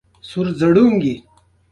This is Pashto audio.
افغانستان د کلتور له پلوه متنوع دی.